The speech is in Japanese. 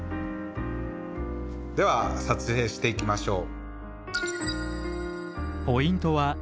では撮影していきましょう。